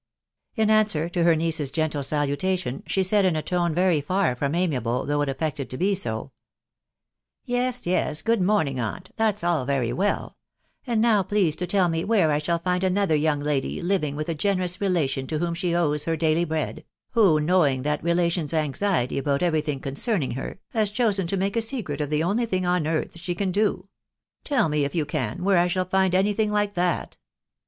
In answer to her niece's gentle salutation, she said in atoat very far from amiable, though it affected to be so, —" Yes, yes, good morning, aunt !.... that's all mry well .... and now please to tell me where I shall find anotaff young lady living with a generous relation to whom her daily bread, who, knowing that relation's every thing concerning her, has chosen to make a secret of tk only thing on earth she can do. ... Tell me, if you cat, where 1 shall find any thing like that